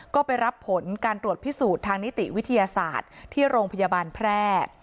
ก็ไปรับผลการตรวจพิสูจน์ทางนิติวิทยาศาสตร์ที่โรงพยาบาลแพร่